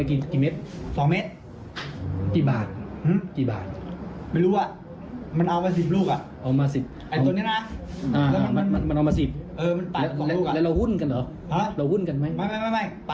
คือเราไม่รู้ว่าเอาอะไรแทงใช่ไหม